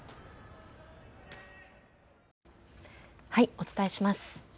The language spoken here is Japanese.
お伝えします。